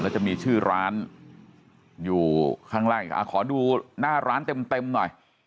แล้วจะมีชื่อร้านอยู่ข้างล่างขอดูหน้าร้านเต็มหน่อย